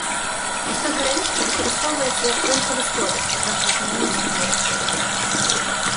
Настой карэнішча выкарыстоўваецца як вонкавы сродак пры раздражненні скуры.